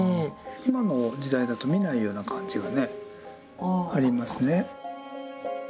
今の時代だと見ないような漢字がねありますね。